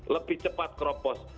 lebih cepat keropos